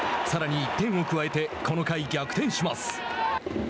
さらに１点を加えてこの回、逆転します。